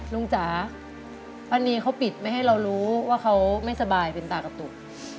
จ๋าป้านีเขาปิดไม่ให้เรารู้ว่าเขาไม่สบายเป็นตากระตุก